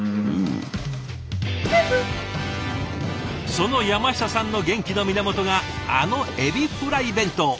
その山下さんの元気の源があのエビフライ弁当。